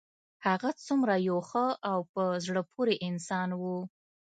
هغه څومره یو ښه او په زړه پورې انسان و